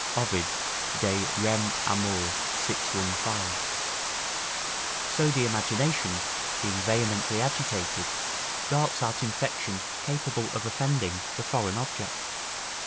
Ovid, De Rem. Amor., 615.] so the imagination, being vehemently agitated, darts out infection capable of offending the foreign object.